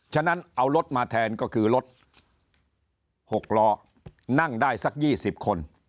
ฉะนั้นเอารถมาแทนก็คือรถ๖ล้อนั่งได้สัก๒๐คน